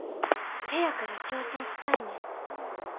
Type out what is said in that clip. せやから挑戦したいねん。